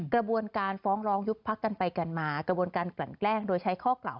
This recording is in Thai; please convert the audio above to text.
กระบวนการฟ้องร้องยุบพักกันไปกันมากระบวนการกลั่นแกล้งโดยใช้ข้อกล่าว